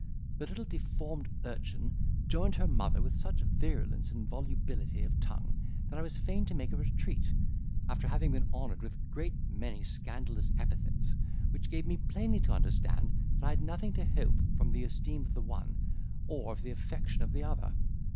The little deformed urchin joined her mother with such virulence and volubility of tongue, that I was fain to make a retreat, after having been honoured with a great many scandalous epithets, which gave me plainly to understand that I had nothing to hope from the esteem of the one, or the affection of the other.